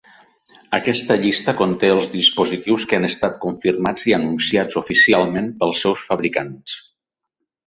Aquesta llista conté els dispositius que han estat confirmats i anunciats oficialment pels seus fabricants.